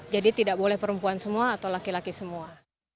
jadi tidak boleh perempuan semua atau laki laki semua